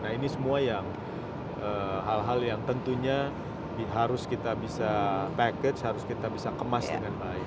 nah ini semua yang hal hal yang tentunya harus kita bisa package harus kita bisa kemas dengan baik